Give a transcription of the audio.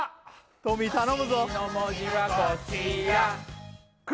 トミー頼むぞ「く」